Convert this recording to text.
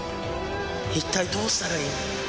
一体どうしたらいい？